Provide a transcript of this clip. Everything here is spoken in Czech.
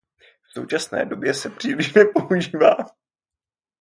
V současné době se příliš nepoužívá.